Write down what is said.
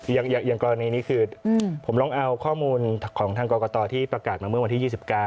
อย่างกรณีนี้คือผมลองเอาข้อมูลของทางกรกตที่ประกาศมาเมื่อวันที่๒๙